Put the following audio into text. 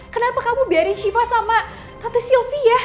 kenapa kamu biarin siva sama tante sylvie ya